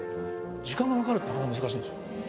時間がわかるって中々難しいんですよ。